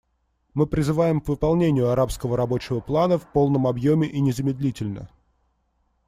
Мы призываем к выполнению арабского рабочего плана в полном объеме и незамедлительно.